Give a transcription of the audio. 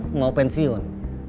dia bilang mau pensiun